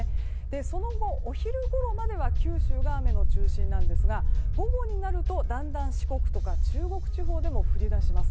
その後、お昼ごろまでは九州が雨の中心なんですが午後になるとだんだん四国とか中国地方でも降り出します。